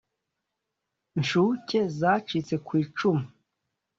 nshuke zacitse kw’icumu